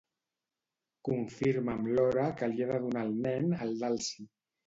Confirma'm l'hora que li he de donar al nen el Dalsy.